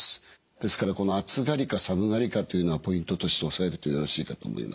ですからこの暑がりか寒がりかというのはポイントとして押さえるとよろしいかと思います。